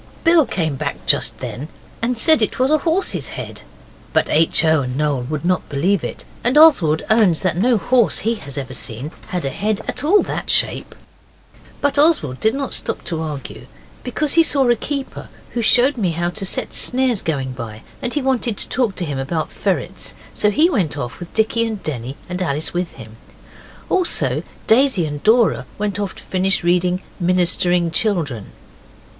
Bill came back just then and said it was a horse's head, but H. O. and Noel would not believe it, and Oswald owns that no horse he has ever seen had a head at all that shape. But Oswald did not stop to argue, because he saw a keeper who showed me how to set snares going by, and he wanted to talk to him about ferrets, so he went off and Dicky and Denny and Alice with him. Also Daisy and Dora went off to finish reading Ministering Children.